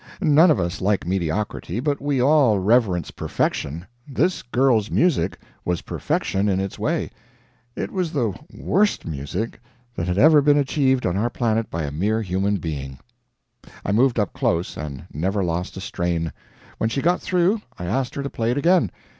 None of us like mediocrity, but we all reverence perfection. This girl's music was perfection in its way; it was the worst music that had ever been achieved on our planet by a mere human being. I moved up close, and never lost a strain. When she got through, I asked her to play it again.